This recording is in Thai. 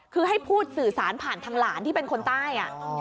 คือให้พูดสื่อสารผ่านทางหลานที่เป็นคนใต้